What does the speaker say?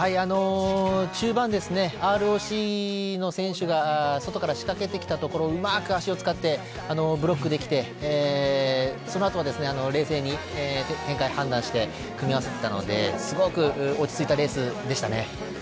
中盤、ＲＯＣの選手が外から仕掛けてきたところをうまく足を使ってブロックできてその後、冷静に展開を判断して組み合わせていたのですごく落ち着いたレースでしたね。